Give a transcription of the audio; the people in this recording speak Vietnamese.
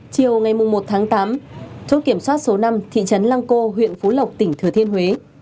chiều ngày một tháng tám chốt kiểm soát số năm thị trấn lăng cô huyện phú lộc tỉnh thừa thiên huế